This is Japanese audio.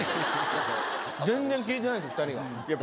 全然聞いてないです、２人が。